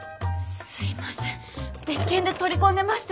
すいません別件で取り込んでまして。